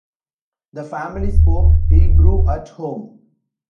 The family spoke Hebrew at home.